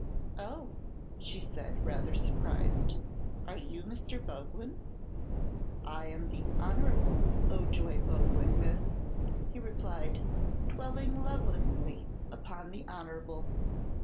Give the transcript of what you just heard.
"Oh," said she, rather surprised; "are you Mr. Boglin?" "I am the Honer'ble Ojoy Boglin, miss," he replied, dwelling lovingly upon the "Honer'ble."